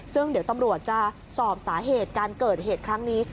ซึ่งเดี๋ยวตำรวจจะสอบสาเหตุการเกิดเหตุครั้งนี้